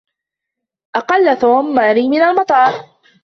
أقلّ توم ماري من المطار.